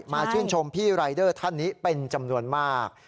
ชื่นชมพี่รายเดอร์ท่านนี้เป็นจำนวนมาก